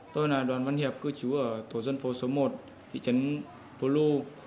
tôi là đoán văn hiệp cư trú ở thổ dân phố số một thị trấn phố lu